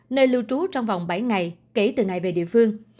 nơi lưu trú trong vòng bảy ngày kể từ ngày về địa phương